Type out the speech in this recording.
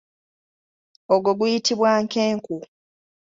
Ogwo guyitibwa nkenku.